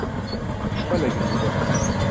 Jixwe ne girîng e.